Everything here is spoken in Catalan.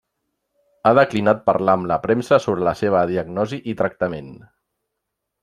Ha declinat parlar amb la premsa sobre la seva diagnosi i tractament.